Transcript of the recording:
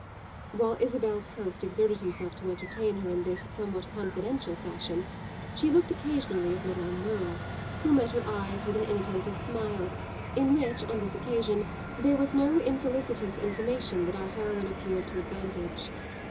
While Isabel's host exerted himself to entertain her in this somewhat confidential fashion she looked occasionally at Madame Merle, who met her eyes with an inattentive smile in which, on this occasion, there was no infelicitous intimation that our heroine appeared to advantage.